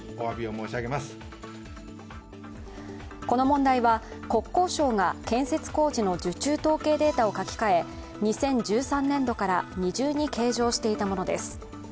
この問題は、国交省が建設工事の受注統計データを書き換え２０１３年度から二重に計上していたものです。